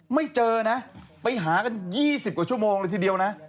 ไม่เจอนะไปหากัน๒๐กว่าชั่วโมงเลยทีเดียวนะ